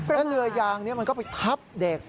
แล้วเรือยางนี้มันก็ไปทับเด็ก